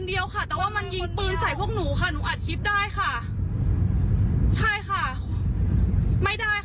ดีมาก